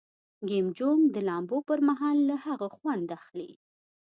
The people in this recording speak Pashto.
کیم جونګ د لامبو پر مهال له هغه خوند اخلي.